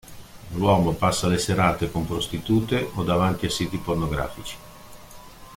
L'uomo passa le serate con prostitute o davanti a siti pornografici.